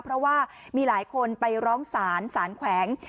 เพราะว่ามีหลายคนไปร้องศาลสารแขวง